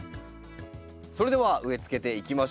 それでは植え付けていきましょう。